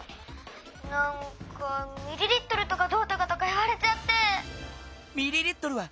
なんかミリリットルとかどうとかとかいわれちゃって」。